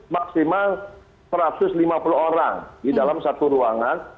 maksimal satu ratus lima puluh orang di dalam satu ruangan